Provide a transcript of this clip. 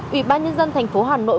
ủy ban nhân dân thành phố hà nội